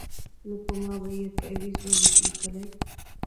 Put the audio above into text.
نو په ما به یې تعویذ ولي لیکلای